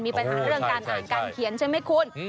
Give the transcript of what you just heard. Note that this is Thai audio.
มีปัญหาเรื่องการอ่านการเขียนใช่ไหมคุณ